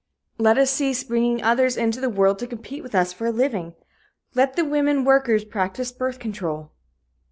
Let us cease bringing others into the world to compete with us for a living. Let the women workers practice birth control.